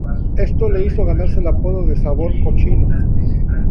Esto le hizo ganarse el apodo de Sabor Cochino.